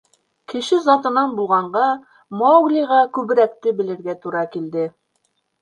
Кеше затынан булғанға, Мауглиға күберәкте белергә тура килде.